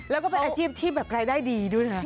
แล้วก็เป็นอาชีพที่แบบรายได้ดีด้วยนะ